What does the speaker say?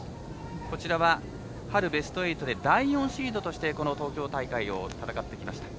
こちらは、春ベスト８で第４シードとしてこの東京大会を戦ってきました。